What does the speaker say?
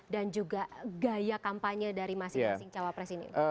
dan juga gaya kampanye dari masing masing cawapres ini